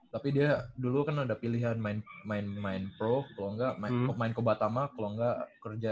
tapi dia dulu kan ada pilihan main pro kalau enggak main ke batama kalau enggak kerja